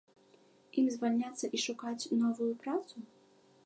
Ім звальняцца і шукаць новую працу?